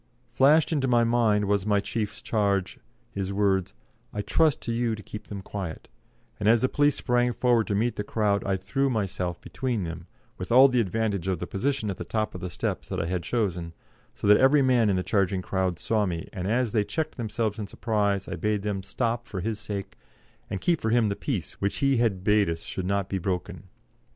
Flashed into my mind my chief's charge, his words, "I trust to you to keep them quiet," and as the police sprang forward to meet the crowd I threw myself between them, with all the advantage of the position of the top of the steps that I had chosen, so that every man in the charging crowd saw me, and as they checked themselves in surprise I bade them stop for his sake, and keep for him the peace which he had bade us should not be broken.